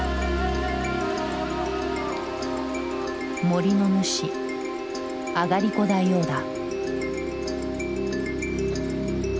森の主あがりこ大王だ。